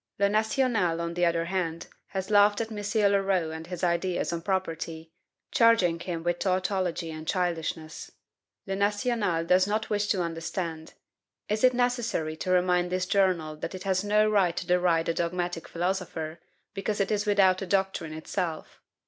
"Le National," on the other hand, has laughed at M. Leroux and his ideas on property, charging him with TAUTOLOGY and CHILDISHNESS. "Le National" does not wish to understand. Is it necessary to remind this journal that it has no right to deride a dogmatic philosopher, because it is without a doctrine itself?